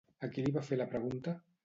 A qui li va fer la pregunta?